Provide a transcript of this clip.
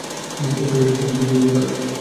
ও কিছুটা লজ্জিত।